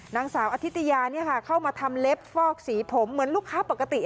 นางสาวอธิตยาเข้ามาทำเล็บฟอกสีผมเหมือนลูกค้าปกติ